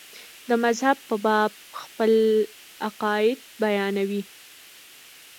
د مذهب په باب خپل عقاید بیانوي.